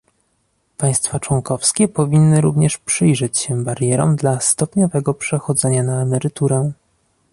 Państwa członkowskie powinny również przyjrzeć się barierom dla stopniowego przechodzenia na emeryturę